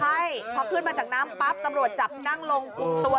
ใช่พอขึ้นมาจากน้ำปั๊บตำรวจจับนั่งลงคุมตัว